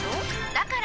だから！